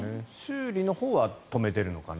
修理のほうは止めているのかな。